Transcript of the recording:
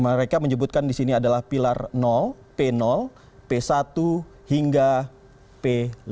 mereka menyebutkan di sini adalah pilar p p satu hingga p lima